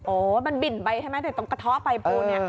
โอ้มันบิ่นไปใช่ไหมแต่ตรงกระท่อไปพูน